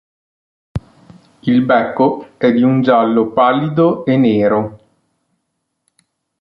Il becco è di un giallo pallido e nero.